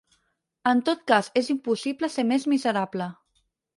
En tot cas és impossible ser més miserable.